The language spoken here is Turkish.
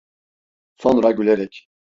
Sonra gülerek: